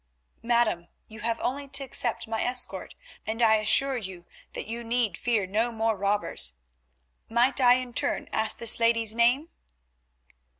"Madam, you have only to accept my escort, and I assure you that you need fear no more robbers. Might I in turn ask this lady's name?"